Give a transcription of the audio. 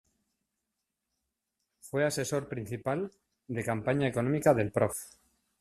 Fue asesor principal de campaña económica del Prof.